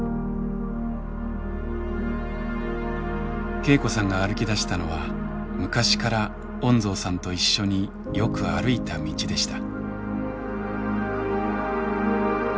恵子さんが歩きだしたのは昔から恩蔵さんと一緒によく歩いた道でした。